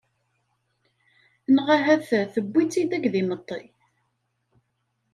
Neɣ ahat tewwi-tt-id akk d imeṭṭi.